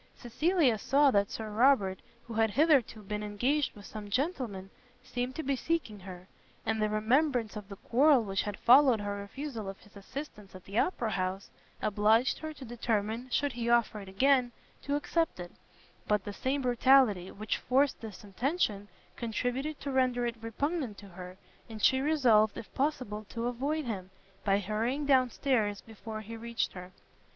Cecilia saw that Sir Robert, who had hitherto been engaged with some gentlemen, seemed to be seeking her; and the remembrance of the quarrel which had followed her refusal of his assistance at the Opera house, obliged her to determine, should he offer it again, to accept it: but the same brutality which forced this intention, contributed to render it repugnant to her, and she resolved if possible to avoid him, by hurrying down stairs before he reached her.